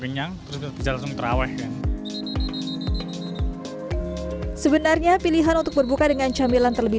kenyang terus bisa langsung terawih kan sebenarnya pilihan untuk berbuka dengan camilan terlebih